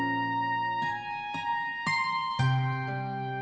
ya pak pak pakinya hilang betul